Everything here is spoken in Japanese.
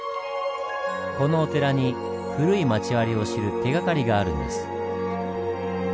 このお寺に古い町割を知る手がかりがあるんです。